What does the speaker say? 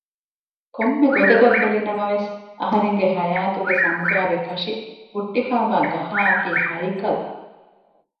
ކޮންމެ ގޮތަކަށް ބެލިނަމަވެސް އަހަރެންގެ ހަޔާތުގެ ސަމުގާގެ ކަށި ހުއްޓިފައިވާ ގަހާއަކީ ހައިކަލު